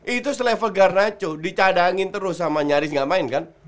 itu selevel garnaco dicadangin terus sama nyaris nggak main kan